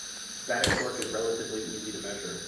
Static torque is relatively easy to measure.